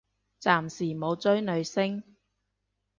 暫時冇追女星